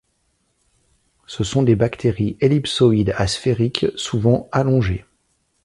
Ce sont des bactéries ellipsoïdes à sphériques, souvent allongées.